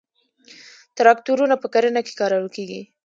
تراکتورونه په کرنه کې کارول کیږي.